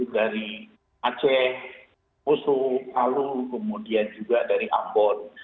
dari aceh pusuh alu kemudian juga dari ambon